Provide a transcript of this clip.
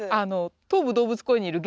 東武動物公園にいるえっ！？